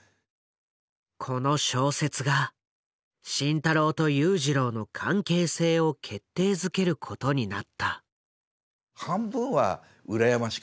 この小説が慎太郎と裕次郎の関係性を決定づけることになった。